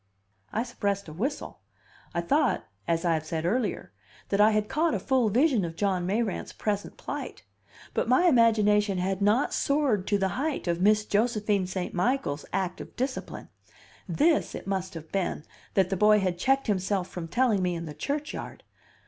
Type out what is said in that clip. I suppressed a whistle. I thought (as I have said earlier) that I had caught a full vision of John Mayrant's present plight. But my imagination had not soared to the height of Miss Josephine St. Michael's act of discipline. This, it must have been, that the boy had checked himself from telling me in the churchyard.